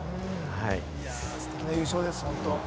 ステキな優勝です、本当。